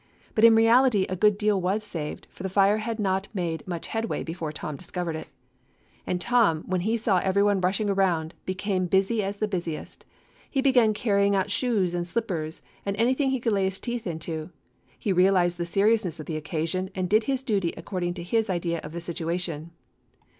But in reality a good deal was saved, for the fire had not made much headway before Tom discovered it. And Tom, when he saw every one rushing 249 DOG HEROES OF MANY LANDS around, became as busy as the busiest. He began carrying out shoes and slippers and anything he could lay his teeth to. He real ized the seriousness of the occasion, and did his duty according to his idea of the situation.